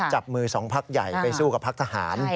จับมือ๒ภักดิ์ใหญ่ไปสู้กับภักดิ์ทหาร